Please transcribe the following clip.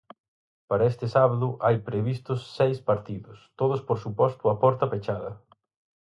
Para este sábado hai previstos seis partidos, todos por suposto a porta pechada.